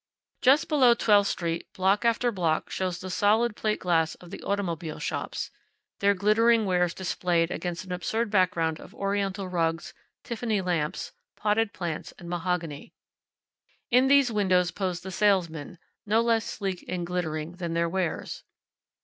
Just below Twelfth street block after block shows the solid plate glass of the automobile shops, their glittering wares displayed against an absurd background of oriental rugs, Tiffany lamps, potted plants, and mahogany. In the windows pose the salesmen, no less sleek and glittering than their wares.